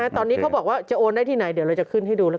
ตอนนี้เขาบอกว่าจะโอนได้ที่ไหนเดี๋ยวเราจะขึ้นให้ดูเลย